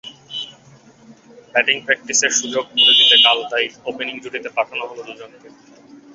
Batting প্র্যাকটিসের সুযোগ করে দিতে কাল তাই ওপেনিং জুটিতে পাঠানো হলো দুজনকে।